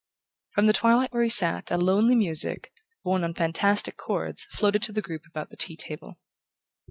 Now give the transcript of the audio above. From the twilight where he sat a lonely music, borne on fantastic chords, floated to the group about the tea table.